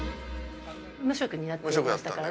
無職になっていましたからね。